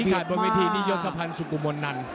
ต้องบอกว่าเผียดมาก